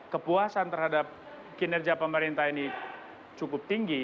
kepuasan terhadap kinerja pemerintah ini cukup tinggi